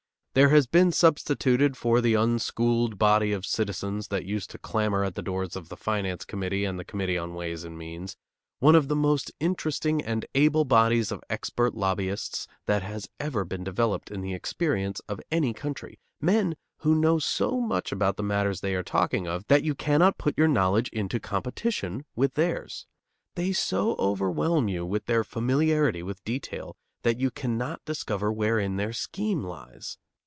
There has been substituted for the unschooled body of citizens that used to clamor at the doors of the Finance Committee and the Committee on Ways and Means, one of the most interesting and able bodies of expert lobbyists that has ever been developed in the experience of any country, men who know so much about the matters they are talking of that you cannot put your knowledge into competition with theirs. They so overwhelm you with their familiarity with detail that you cannot discover wherein their scheme lies.